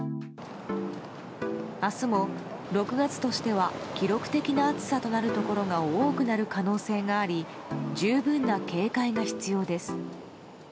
明日も６月としては記録的な暑さとなるところが多くなる可能性があり十分な警戒が必要です。